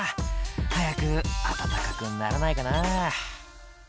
「早く暖かくならないかな」